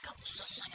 kerja sama saya